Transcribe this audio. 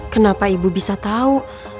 kenapa ibu bisa tau